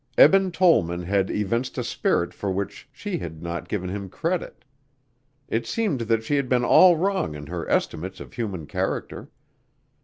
Eben Tollman had evinced a spirit for which she had not given him credit. It seemed that she had been all wrong in her estimates of human character.